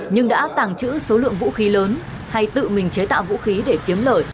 nhưng đã tàng trữ số lượng vũ khí lớn hay tự mình chế tạo vũ khí để kiếm lời